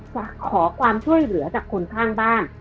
จะขอความช่วยเหลือจากคนข้างบ้าน